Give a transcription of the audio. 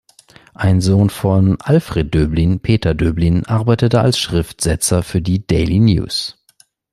Ein Sohn von Alfred Döblin, Peter Döblin, arbeitete als Schriftsetzer für die "Daily News".